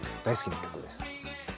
大好きな曲です。